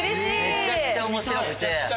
めちゃくちゃ面白くて。